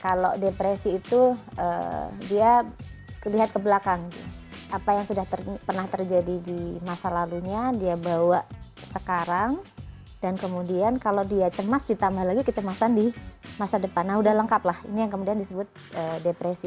kalau depresi itu dia lihat ke belakang apa yang sudah pernah terjadi di masa lalunya dia bawa sekarang dan kemudian kalau dia cemas ditambah lagi kecemasan di masa depan nah udah lengkap lah ini yang kemudian disebut depresi